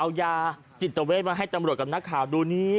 เอายาจิตเวทมาให้ตำรวจกับนักข่าวดูนี้